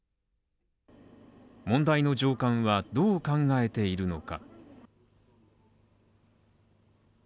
問題の上官は、どう考えているのか。